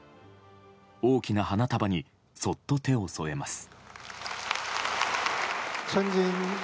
大きな花束にそっと手を添えます。